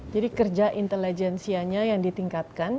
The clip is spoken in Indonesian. jadi kerja intelligensianya yang ditingkatkan